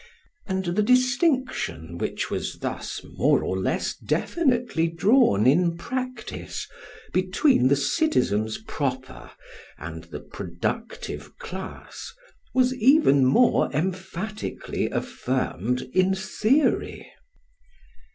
And the distinction which was thus more or less definitely drawn in practice between the citizens proper and the productive class, was even more emphatically affirmed in theory.